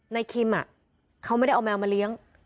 คิมเขาไม่ได้เอาแมวมาเลี้ยง